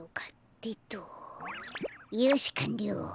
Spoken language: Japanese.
よしかんりょう。